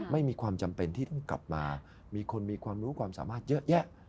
ไม่มีความจำเป็นที่ต้องกลับมามีคนมีความรู้ความสามารถเยอะแยะ